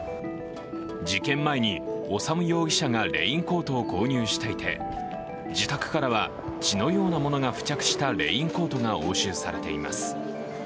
事件前に修容疑者がレインコートを購入していて、自宅からは血のようなものが付着したレインコートが押収されています。